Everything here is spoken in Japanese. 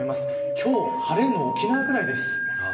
今日、晴れるの沖縄ぐらいです。